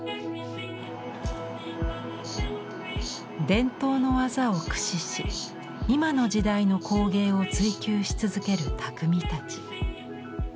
伝統の技を駆使し今の時代の工芸を追求し続ける匠たち。